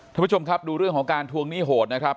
ท่านผู้ชมครับดูเรื่องของการทวงหนี้โหดนะครับ